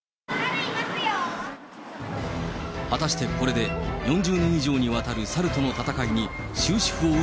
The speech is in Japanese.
果たしてこれで４０年以上にわたるサルとの闘いに終止符を打